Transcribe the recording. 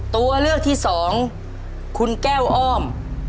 ตัวเลือกที่สองคุณแก้วอ้อม